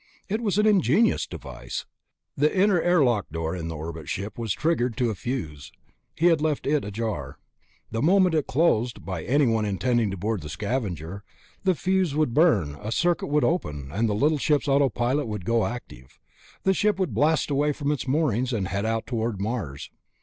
It was an ingenious device. The inner airlock door in the orbit ship was triggered to a fuse. He had left it ajar; the moment it was closed, by anyone intending to board the Scavenger, the fuse would burn, a circuit would open, and the little ship's autopilot would go on active. The ship would blast away from its moorings, head out toward Mars....